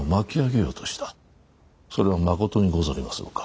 それはまことにござりましょうか？